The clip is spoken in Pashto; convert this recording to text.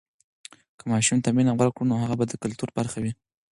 که ماشوم ته مینه ورکړو، نو هغه به د کلتور برخه وي.